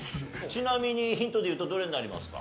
ちなみにヒントでいうとどれになりますか？